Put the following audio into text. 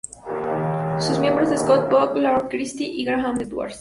Sus miembros son Scott Spock, Lauren Christy y Graham Edwards.